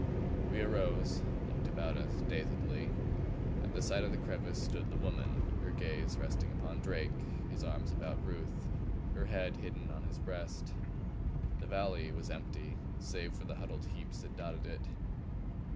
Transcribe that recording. We arose, looked about us dazedly. At the side of the crevice stood the woman, her gaze resting upon Drake, his arms about Ruth, her head hidden on his breast. The valley was empty save for the huddled heaps that dotted it.